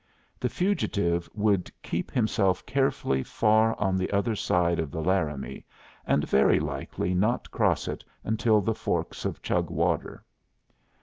The fugitive would keep himself carefully far on the other side of the Laramie, and very likely not cross it until the forks of Chug Water.